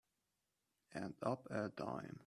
And up a dime.